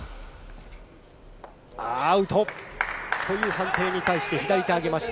アウトという判定に対して左手をあげました。